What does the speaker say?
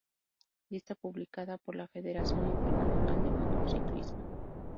Lista publicada por la Federación Internacional de Motociclismo.